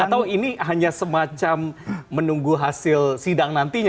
atau ini hanya semacam menunggu hasil sidang nantinya